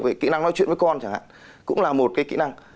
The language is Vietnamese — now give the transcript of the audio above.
vậy kỹ năng nói chuyện với con chẳng hạn cũng là một cái kỹ năng